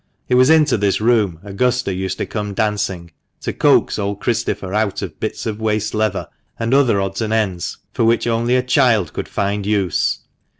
It was into this room Augusta used to come dancing, to coax old Christopher out of bits of waste leather, and other odds 106 THE MANCHESTER MAN. and ends, for which only a child could find use.